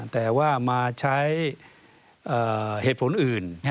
แต่ว่ามาใช้เหตุผลอื่น